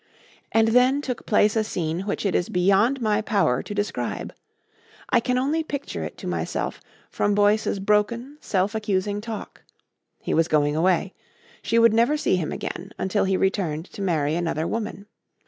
And then took place a scene which it is beyond my power to describe. I can only picture it to myself from Boyce's broken, self accusing talk. He was going away. She would never see him again until he returned to marry another woman.